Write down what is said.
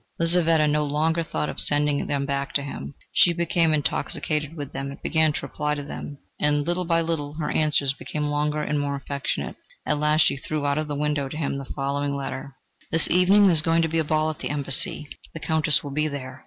Lizaveta no longer thought of sending them back to him: she became intoxicated with them and began to reply to them, and little by little her answers became longer and more affectionate. At last she threw out of the window to him the following letter: "This evening there is going to be a ball at the Embassy. The Countess will be there.